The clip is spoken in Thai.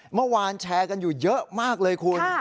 เมื่อวานแชร์กันอยู่เยอะมากเลยคุณ